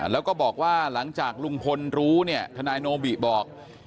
แล้วก็บอกว่าหลังจากลุงพลรู้เนี่ยทนายโนบิบอก